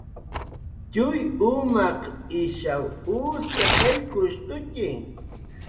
Tx'uy umaq ishaw ustataykushtutxi